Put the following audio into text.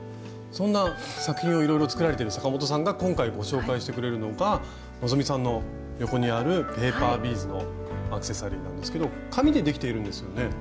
そんな作品をいろいろ作られているサカモトさんが今回ご紹介してくれるのが希さんの横にあるペーパービーズのアクセサリーなんですけど紙でできているんですよね？